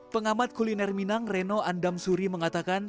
pengamat kuliner minang reno andamsuri mengatakan